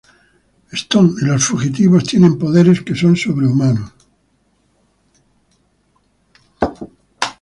Stone y los fugitivos tienen poderes que son sobrehumanos.